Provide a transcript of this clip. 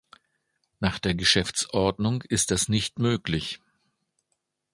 Nach der Geschäftsordnung ist das nicht möglich.